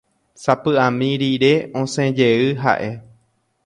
Sapy'ami rire osẽjey ha'e.